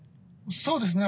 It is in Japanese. そうですね。